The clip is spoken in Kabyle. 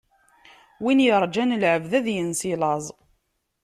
Win yuṛǧan lɛebd, ad yens i laẓ.